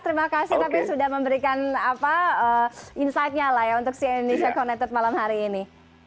terima kasih tapi sudah memberikan insightnya lah ya untuk si indonesia connected malam hari ini